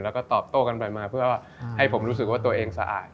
แล้วก็ตอบโต้กันไปมาเพื่อให้ผมรู้สึกว่าตัวเองสะอาด